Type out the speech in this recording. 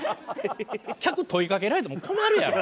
客問いかけられても困るやろ。